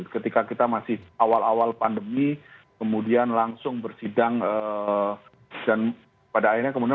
ketika kita masih awal awal pandemi kemudian langsung bersidang dan pada akhirnya kemudian